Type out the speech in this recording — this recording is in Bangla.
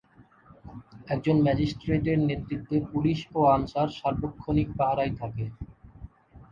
একজন ম্যাজিস্ট্রেটের নেতৃত্বে পুলিশ ও আনসার সার্বক্ষণিক পাহারায় থাকে।